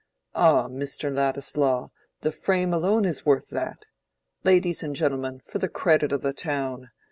"Ah! Mr. Ladislaw! the frame alone is worth that. Ladies and gentlemen, for the credit of the town!